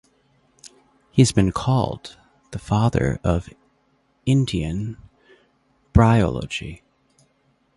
He has been called the father of Indian bryology.